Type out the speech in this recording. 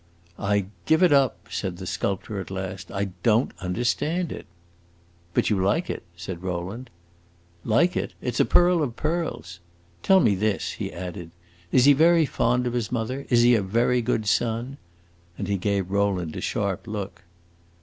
"I give it up!" said the sculptor at last. "I don't understand it." "But you like it?" said Rowland. "Like it? It 's a pearl of pearls. Tell me this," he added: "is he very fond of his mother; is he a very good son?" And he gave Rowland a sharp look.